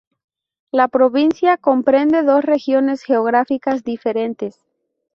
La provincia comprende dos regiones geográficas diferentes.